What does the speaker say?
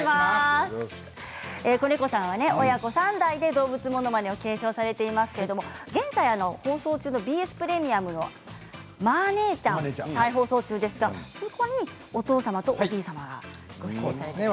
小猫さんは親子３代で動物ものまねを継承されていますけれど現在放送中の、ＢＳプレミアムの「マー姉ちゃん」再放送中ですがそこで、お父様とおじい様がご出演されていると。